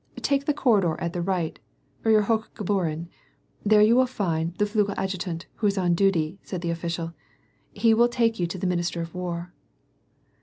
" Take the corridor at the right, Euer Hochgehoreii, there you will find the Flugel adjutant, who is on duty," said the official, "He will take you to the minister of war."